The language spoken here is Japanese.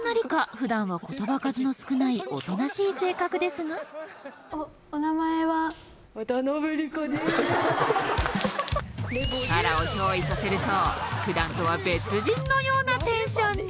ふだんは言葉数の少ないおとなしい性格ですがキャラを憑依させるとふだんとは別人のようなテンションに